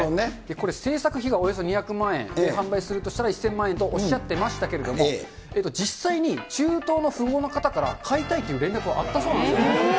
これ、制作費がおよそ２００万円、販売するとしたら１０００万円とおっしゃってましたけれども、実際に中東の富豪の方から、買いたいっていう連絡はあったそうなんですよ。